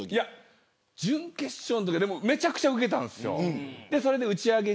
準決勝のときめちゃめちゃうけたんです。